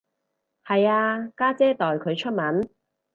係啊，家姐代佢出文